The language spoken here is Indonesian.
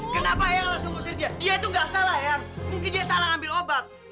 kenapa eyang langsung ngusir dia dia tuh gak salah eyang mungkin dia salah ambil obat